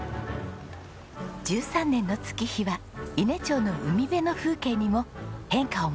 １３年の月日は伊根町の海辺の風景にも変化をもたらしました。